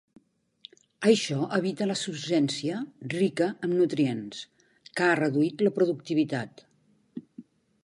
Això evita la surgència rica en nutrients que ha reduït la productivitat.